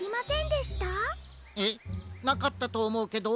えっ？なかったとおもうけど。